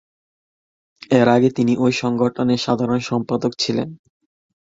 এর আগে তিনি ওই সংগঠনের সাধারণ সম্পাদক ছিলেন।